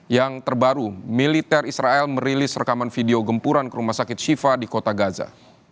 yang terbaru militer israel merilis rekaman video gempuran ke rumah sakit shiva di kota gaza